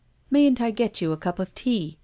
" Mayn't I get you a cup of tea ?